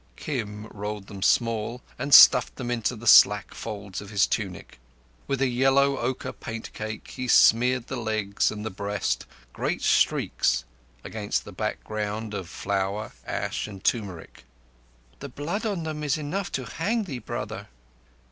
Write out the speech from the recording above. Kim rolled them small, and stuffed them into the slack folds of his tunic. With a yellow ochre paint cake he smeared the legs and the breast, great streaks against the background of flour, ash, and turmeric. "The blood on them is enough to hang thee, brother."